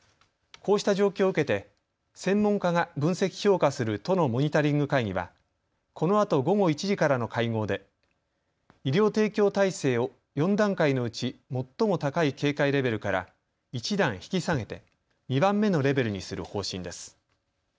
こうした状況を受けて専門家が分析・評価する都のモニタリング会議はこのあと午後１時からの会合で医療提供体制を４段階のうち最も高い警戒レベルから一段引き下げて２番目のレベルにする方針です。